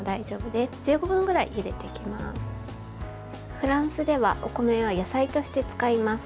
フランスではお米は野菜として使います。